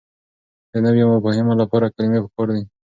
د نويو مفاهيمو لپاره کلمې پکار دي.